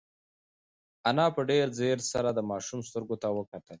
انا په ډېر ځير سره د ماشوم سترګو ته وکتل.